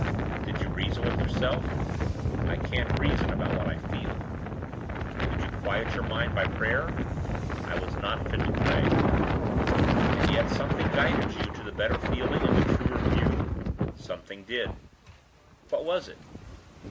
"Did you reason with yourself?" "I can't reason about what I feel." "Did you quiet your mind by prayer?" "I was not fit to pray." "And yet something guided you to the better feeling and the truer view?" "Something did." "What was it?"